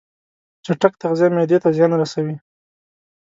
چټک تغذیه معدې ته زیان رسوي.